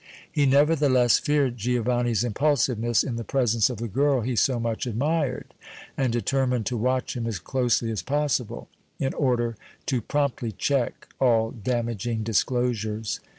He, nevertheless, feared Giovanni's impulsiveness in the presence of the girl he so much admired, and determined to watch him as closely as possible, in order to promptly check all damaging disclosures.